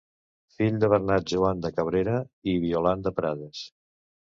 Fill de Bernat Joan de Cabrera i Violant de Prades.